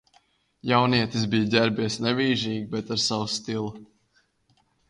Jaunietis bija ģērbies nevīžīgi, bet ar savu stilu